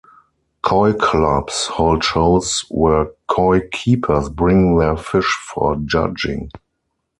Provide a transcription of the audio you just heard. Koi clubs hold shows where koi keepers bring their fish for judging.